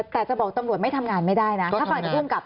แต่จะบอกตำรวจไม่ทำงานไม่ได้นะ